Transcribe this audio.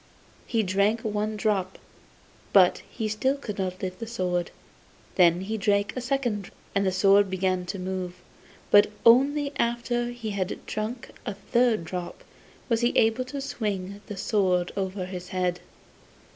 He drank one drop, but still he could not lift the sword; then he drank a second, and the sword began to move; but only after he had drunk a third drop was he able to swing the sword over his head.